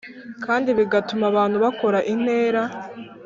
kandi bigatuma abantu bakora intera